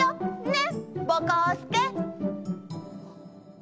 ねっぼこすけ！